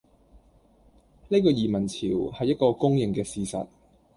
呢個移民潮，係一個公認嘅事實